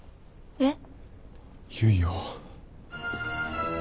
えっ？